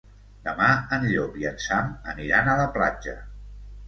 Demà en Llop i en Sam aniran a la platja.